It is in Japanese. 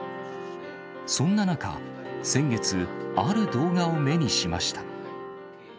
そんな中、先月、ある動画を目にしました。